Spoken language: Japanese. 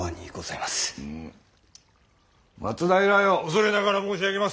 恐れながら申し上げます。